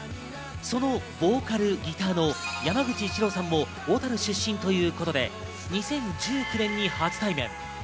そのボーカル＆ギターの山口一郎さんも小樽出身ということで、２０１９年に初対面。